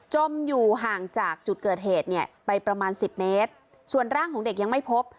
อยู่ห่างจากจุดเกิดเหตุเนี่ยไปประมาณสิบเมตรส่วนร่างของเด็กยังไม่พบ